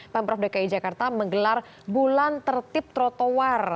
pemprov dki jakarta menggelar bulan tertib trotoar